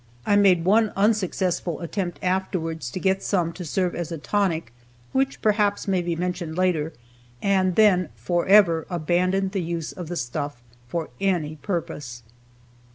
I made one unsuccessful attempt afterwards to get some to serve as a tonic, which perhaps may be mentioned later, and then forever abandoned the use of the stuff for any purpose.